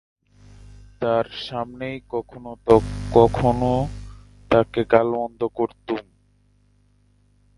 তাঁর সামনেই কখনও কখনও তাঁকে গালমন্দ করতুম।